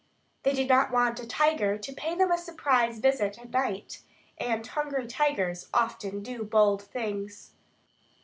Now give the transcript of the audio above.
They did not want a tiger to pay them a surprise visit at night; and hungry tigers often do bold things.